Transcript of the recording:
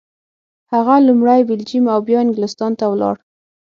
هغه لومړی بلجیم او بیا انګلستان ته ولاړ.